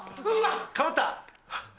かぶった。